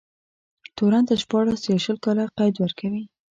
تورن ته شپاړس يا شل کاله قید ورکوي.